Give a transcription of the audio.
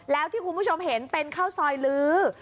แล้วที่คุณผู้ชมเห็นเป็นข้าวซอยลื้อ